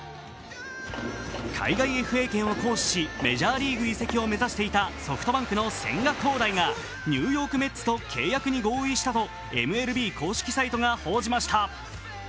海外ＦＡ権を行使しメジャーリーグ移籍を目指していたソフトバンクの千賀滉大がニューヨーク・メッツと契約に合意したとＭＬＢ公式サイトが報じました。